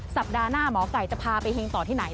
สัปดาห์หน้าหมอไก่จะพาไปเฮงต่อที่ไหน